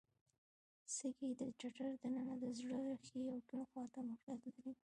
سږي د ټټر د ننه د زړه ښي او کیڼ خواته موقعیت لري.